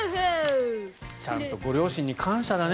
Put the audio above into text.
ちゃんとご両親に感謝だね。